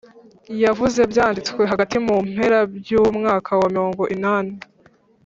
yavuze byanditswe hagati mu mpera by’umwaka wa mirongo inani,